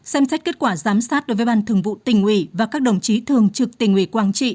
xem sách kết quả giám sát đối với ban thường vụ tình ủy và các đồng chí thường trực tình ủy quang trị